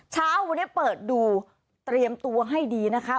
เช้าวันนี้เปิดดูเตรียมตัวให้ดีนะคะ